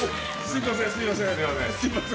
すいません。